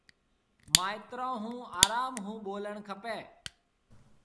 مائيترون هون آروم هون ٻولڻ کپيَ۔